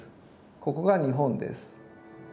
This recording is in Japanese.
ここが日本です。